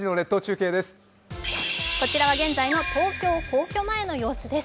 こちらは現在の東京・皇居前の様子です。